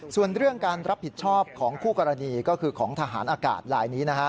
ส่วนเรื่องการรับผิดชอบของคู่กรณีก็คือของทหารอากาศลายนี้นะฮะ